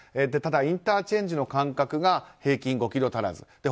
ただ、インターチェンジの間隔が平均５ｋｍ足らず。